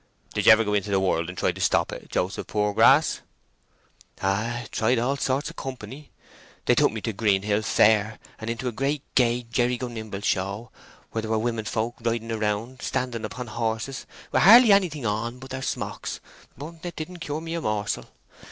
"Did ye ever go into the world to try and stop it, Joseph Poorgrass?" "Oh ay, tried all sorts o' company. They took me to Greenhill Fair, and into a great gay jerry go nimble show, where there were women folk riding round—standing upon horses, with hardly anything on but their smocks; but it didn't cure me a morsel.